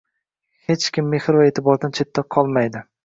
Hech kim mehr va e’tibordan chetda qolmaydi